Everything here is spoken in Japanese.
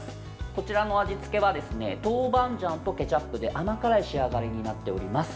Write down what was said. こちらの味付けはトーバンジャンとケチャップで甘辛い仕上がりになっております。